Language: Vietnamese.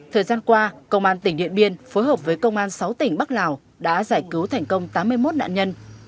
thời gian qua công an tỉnh điện biên phối hợp với công an sáu tỉnh bắc lào đã giải cứu thành công tám mươi một nạn nhân